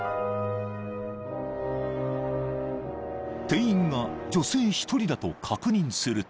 ［店員が女性一人だと確認すると］